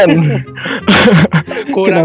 kurang lagi aja ya